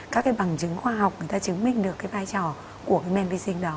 các cái bằng chứng khoa học người ta chứng minh được cái vai trò của cái men vi sinh đó